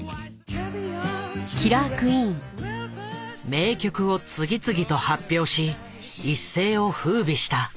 名曲を次々と発表し一世をふうびした。